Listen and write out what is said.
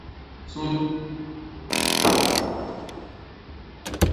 Tulel Tiziri yemma-s deg ussewwi.